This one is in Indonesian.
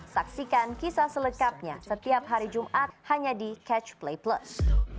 saksikan kisah selengkapnya setiap hari jumat hanya di catch play plus